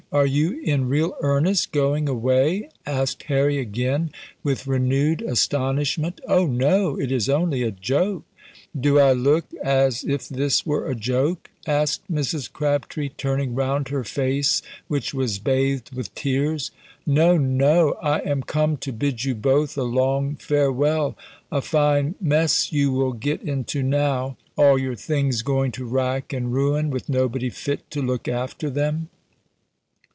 Are you in real earnest going away?" asked Harry again, with renewed astonishment. "Oh no! it is only a joke!" "Do I look as if this were a joke?" asked Mrs. Crabtree, turning round her face, which was bathed with tears. "No, no! I am come to bid you both a long farewell. A fine mess you will get into now! All your things going to rack and ruin, with nobody fit to look after them!"